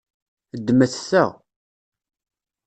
Ddmet ta.